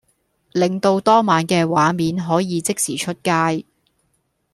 令到當晚嘅畫面可以即時出街